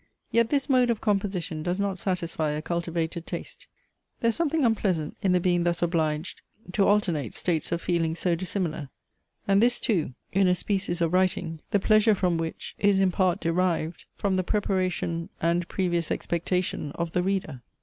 Yet this mode of composition does not satisfy a cultivated taste. There is something unpleasant in the being thus obliged to alternate states of feeling so dissimilar, and this too in a species of writing, the pleasure from which is in part derived from the preparation and previous expectation of the reader.